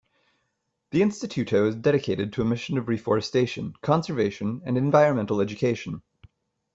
The Instituto is dedicated to a mission of reforestation, conservation and environmental education.